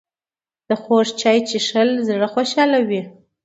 د خوږ چای څښل زړه خوشحالوي